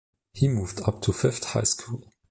He moved up to the Fifth High School.